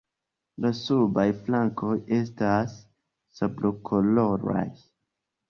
La subaj flankoj estas sablokoloraj.